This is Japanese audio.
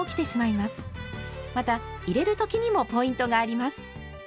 また入れる時にもポイントがあります。